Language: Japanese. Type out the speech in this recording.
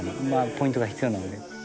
ポイントが必要なので。